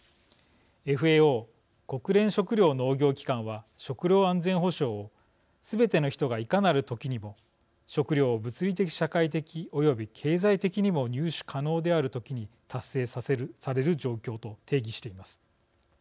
ＦＡＯ＝国連食糧農業機関は食料安全保障をすべての人が、いかなる時にも食料を物理的、社会的及び経済的にも入手可能である時に達成される状況と定義しています。